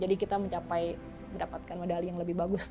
jadi kita mencapai mendapatkan medali yang lebih tinggi